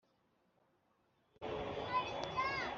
ariko nanone kubera kubangamirwa